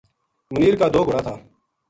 منیر کا دو گھوڑا تھا